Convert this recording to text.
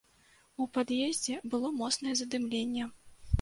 У пад'ездзе было моцнае задымленне.